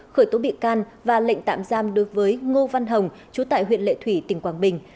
khởi tố bị can và lệnh tạm giam đối với ngô văn hồng chú tại huyện lệ thủy tỉnh quảng bình